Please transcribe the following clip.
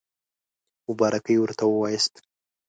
مبارکي ورته ووایاست.